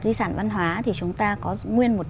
di sản văn hóa thì chúng ta có nguyên một